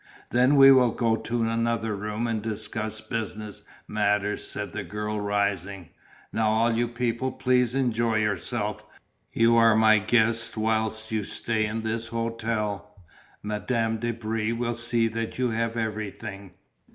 "Then we will go to another room and discuss business matters," said the girl rising. "Now all you people please enjoy yourselves. You are my guests whilst you stay in this hotel. Madame de Brie will see that you have everything."